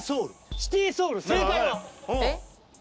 「シティソウル」正解は。